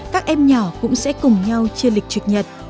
các em nhỏ cũng sẽ cùng nhau chia lịch trực nhật